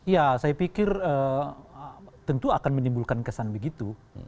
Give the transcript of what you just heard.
ya saya pikir tentu akan menimbulkan kesan begitu